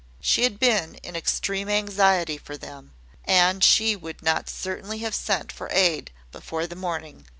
She had been in extreme anxiety for them; and she would not certainly have sent for aid before the morning.